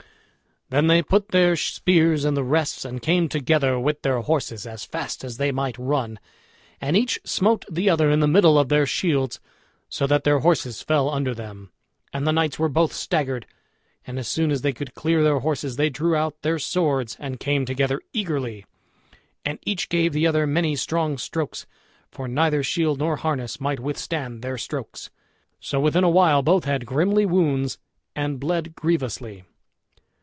Then they put their spears in the rests, and came together with their horses as fast as they might run. And each smote the other in the middle of their shields, so that their horses fell under them, and the knights were both staggered; and as soon as they could clear their horses they drew out their swords and came together eagerly, and each gave the other many strong strokes, for neither shield nor harness might withstand their strokes. So within a while both had grimly wounds, and bled grievously.